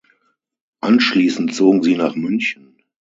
Anschließend zogen sie nach München.